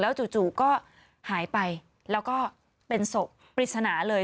จู่ก็หายไปแล้วก็เป็นศพปริศนาเลย